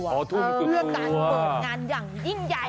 โหอันดูนั่งนะ